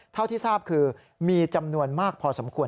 เท่าที่ทราบคือมีจำนวนมากพอสมควร